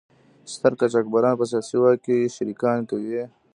ستر قاچاقبران په سیاسي واک کې شریکان کوي.